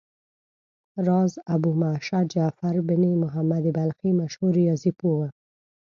راز ابومعشر جعفر بن محمد بلخي مشهور ریاضي پوه و.